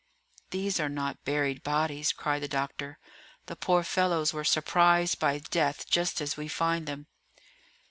"These are not buried bodies," cried the doctor, "the poor fellows were surprised by death just as we find them."